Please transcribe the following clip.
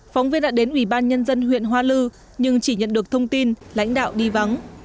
phóng viên đã đến ủy ban nhân dân huyện hoa lư nhưng chỉ nhận được thông tin lãnh đạo đi vắng